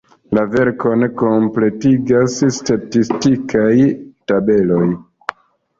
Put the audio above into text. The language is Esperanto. La verkon kompletigas statistikaj tabeloj.